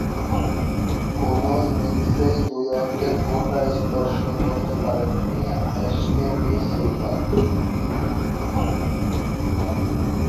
কোন ইনিংসেই দুই অঙ্কের কোটা স্পর্শ করতে পারেননি অ্যাশলে ডি সিলভা।